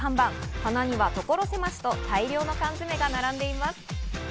棚には所狭しと大量の缶詰が並んでいます。